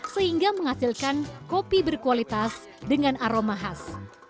sehingga menghasilkan kopi berkualitas dengan aroma khas